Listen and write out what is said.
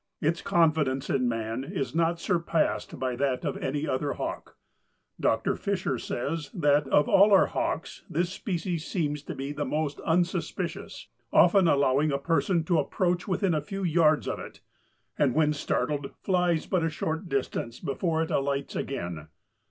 Its confidence in man is not surpassed by that of any other hawk. Dr. Fisher says that "of all our hawks this species seems to be the most unsuspicious, often allowing a person to approach within a few yards of it, and when startled flies but a short distance before it alights again."